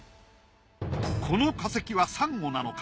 この化石はサンゴなのか？